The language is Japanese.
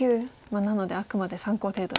なのであくまで参考程度に。